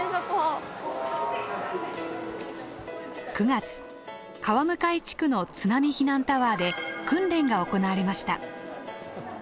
９月川向地区の津波避難タワーで訓練が行われました。